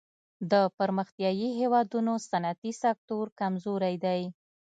د پرمختیايي هېوادونو صنعتي سکتور کمزوری دی.